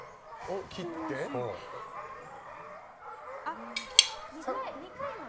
あっ２回まで？